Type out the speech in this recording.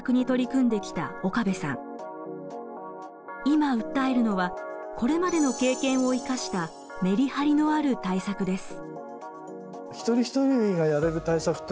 今訴えるのはこれまでの経験を生かしたメリハリのある対策です。